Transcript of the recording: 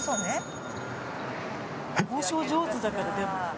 交渉上手だからでも。